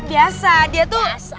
biasa dia tuh